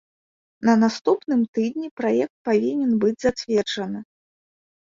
На наступным тыдні праект павінен быць зацверджаны.